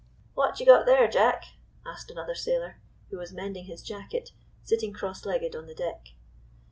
" What you got there, Jack?" asked another sailor, who was mending his jacket, sitting cross legged on the deck.